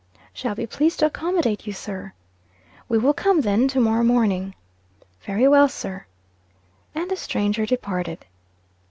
"Shall be pleased to accommodate you, sir." "We will come, then, to morrow morning." "Very well, sir." And the stranger departed.